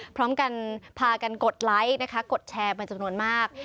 พร้อมกันพากันกดไลค์นะคะกดแชร์เป็นจำนวนมาก